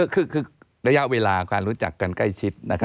คือระยะเวลาการรู้จักกันใกล้ชิด